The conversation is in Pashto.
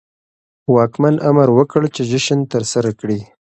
واکمن امر وکړ چې جشن ترسره کړي.